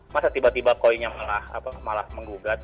masa tiba tiba koi nya malah menggugat